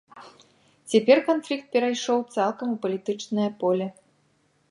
Цяпер канфлікт перайшоў цалкам у палітычнае поле.